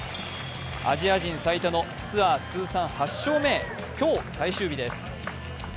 アジア人最多のツアー通算８勝目へ今日最終日です。